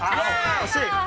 惜しい。